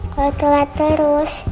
kalo telat terus